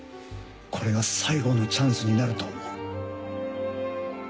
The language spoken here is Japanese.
これが最後のチャンスになると思う。